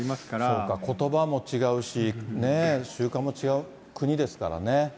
そうか、ことばも違うしね、習慣も違う国ですからね。